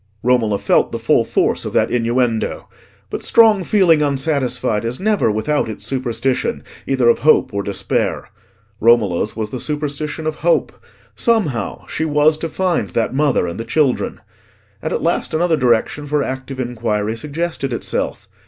Romola felt the full force of that innuendo. But strong feeling unsatisfied is never without its superstition, either of hope or despair. Romola's was the superstition of hope: somehow she was to find that mother and the children. And at last another direction for active inquiry suggested itself.